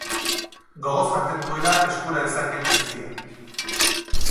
Gogoz jaten duela eskura dezakeen guztia.